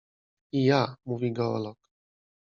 I ja — mówi geolog.